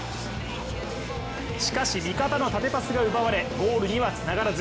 しかし、味方の縦パスが奪われゴールにはつながらず。